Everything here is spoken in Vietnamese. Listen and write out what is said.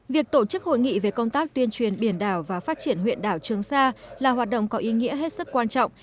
việc tổ chức hội nghị về công tác tuyên truyền biển đảo và phát triển huyện đảo trường sa là hoạt động có ý nghĩa hết sức quan trọng